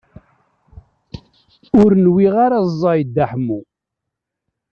Ur nwiɣ ara ẓẓay Dda Ḥemmu.